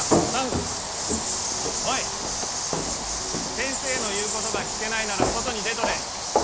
先生の言うことが聞けないなら外に出とれ！